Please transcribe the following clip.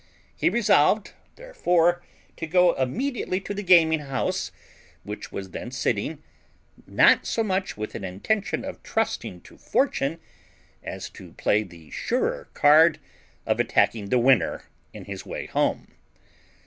He resolved, therefore, to go immediately to the gaming house, which was then sitting, not so much with an intention of trusting to fortune as to play the surer card of attacking the winner in his way home.